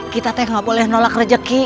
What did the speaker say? kita teh nggak boleh nolak rezeki